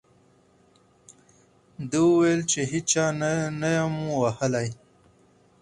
ده وویل چې هېچا نه یم ووهلی.